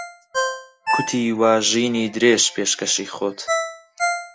کوتی وا ژینی درێژ پێشکەشی خۆت